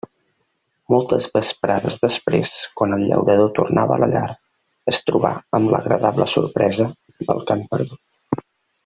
Moltes vesprades després, quan el llaurador tornava a la llar, es trobà amb l'agradable sorpresa del cant perdut.